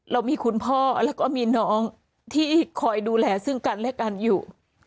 เรามีคุณพ่อแล้วก็มีน้องที่คอยดูแลซึ่งกันและกันอยู่